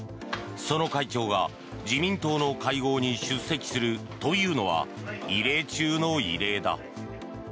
その会長が自民党の会合に出席するというのは異例中の異例だ。